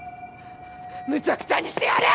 むちゃくちゃにしてやる！